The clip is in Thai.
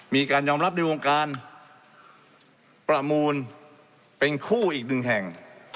มีการยอมรับในวงการประมูลเป็นคู่อีกหนึ่งแห่ง